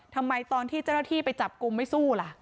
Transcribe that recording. ทำไมตอนที่เจ้าหน้าที่ไปจับกลุ่มไม่สู้ล่ะ